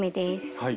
はい。